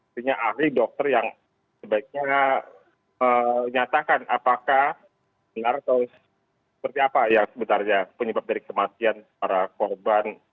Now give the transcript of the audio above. artinya ahli dokter yang sebaiknya menyatakan apakah benar atau seperti apa yang sebenarnya penyebab dari kematian para korban